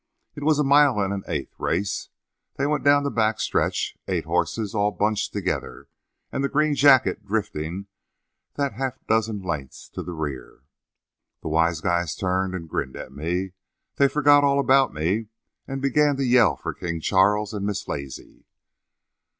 It was a mile and an eighth race. They went down the back stretch, eight horses all bunched together, and the green jacket drifting that half dozen lengths to the rear. The wise guys turned and grinned at me; then they forgot all about me and began to yell for King Charles and Miss Lazy.